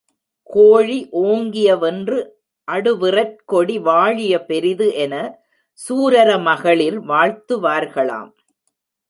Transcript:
கோழி ஓங்கிய வென்றுஅடு விறற்கொடி வாழிய பெரிது என சூரர மகளிர் வாழ்த்துவார்களாம்.